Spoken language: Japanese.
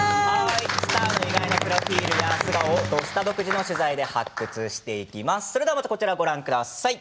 スターの意外なプロフィールや素顔を「土スタ」独自の取材で発掘していきます。